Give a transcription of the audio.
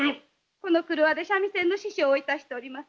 このくるわで三味線の師匠をいたしております。